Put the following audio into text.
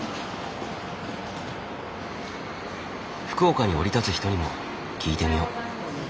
福岡に降り立つ人にも聞いてみよう。